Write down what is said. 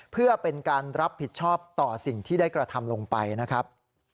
เพื่อเป็นการรับผิดชอบต่อสิ่งที่ได้กระทำลงไปนะครับ